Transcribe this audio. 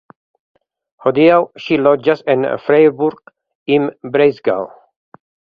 Hodiaŭ ŝi loĝas en Freiburg im Breisgau.